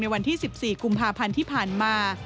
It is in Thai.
วันที่๑๔กุมภาพันธ์ที่ผ่านมา